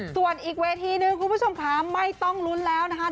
ส่วนอีกเวทีนึงคุณผู้ชมค่ะไม่ต้องลุ้นแล้วนะคะ